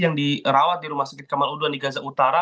yang dirawat di rumah sakit kemaluduan di gaza utara